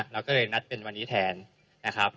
เราก็เลยนัดเป็นวันนี้แทนนะครับ